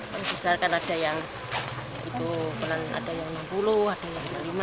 paling besar kan ada yang enam puluh ada yang lima puluh lima